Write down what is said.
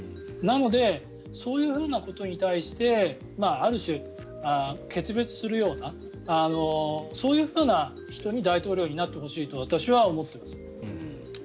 なので、そういうふうなことに対してある種、決別するようなそういうふうな人に大統領になってほしいと私は思っています。